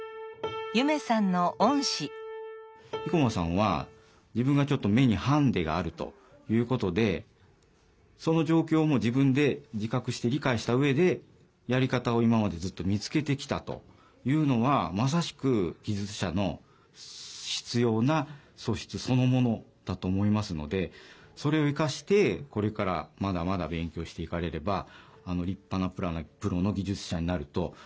生駒さんは自分がちょっと目にハンディがあるということでその状況も自分で自覚して理解した上でやり方を今までずっと見つけてきたというのはまさしく技術者の必要な素質そのものだと思いますのでそれを生かしてこれからまだまだ勉強していかれれば立派なプロの技術者になるともう確信してます